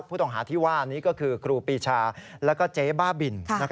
ผู้ต้องหาที่ว่านี้ก็คือครูปีชาแล้วก็เจ๊บ้าบิน